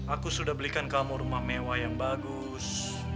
aku sudah belikan kamu rumah mewah yang bagus